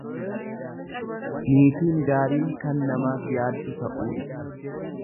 Niitiin gaariin kan namaaf yaaddu ta'uu ibsa.